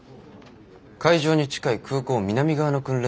海上に近い空港南側の訓練